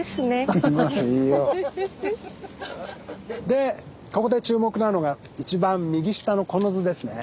でここで注目なのがいちばん右下のこの図ですね。